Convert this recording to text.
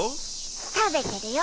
食べてるよ